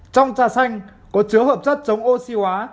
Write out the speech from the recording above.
trong trà xanh có chứa hợp chất chống oxy hóa